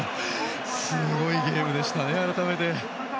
すごいゲームでしたね、改めて。